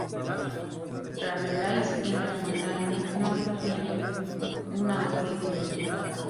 Rabelais y La Fontaine no tienen un autor identificado.